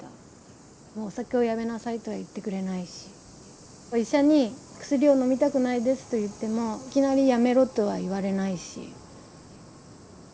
お酒をやめなさいとは言ってくれないし医者に薬を飲みたくないですと言ってもいきなりやめろとは言われないし。